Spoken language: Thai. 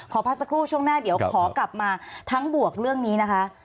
ขอพักสักครู่ช่วงหน้าเดี๋ยวขอกลับมาทั้งบวกเรื่องนี้นะคะ